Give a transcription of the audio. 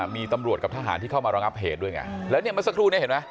มีตำรวจกับทหารที่เข้ามาระงับเหตุด้วยไงแล้วเนี่ยเมื่อสักครู่นี้เห็นไหม